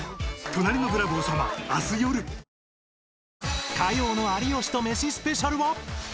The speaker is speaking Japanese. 続く火曜の有吉とメシスペシャルは